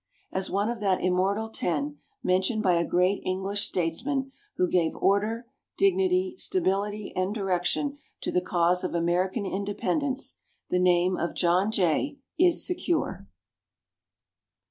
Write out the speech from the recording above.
As one of that immortal ten, mentioned by a great English statesman, who gave order, dignity, stability and direction to the cause of American Independence, the name of John Jay is secure.